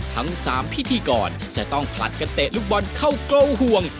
ทั้ง๓พิธีกรจะต้องผลัดกันเตะลูกบอลเข้ากรมห่วง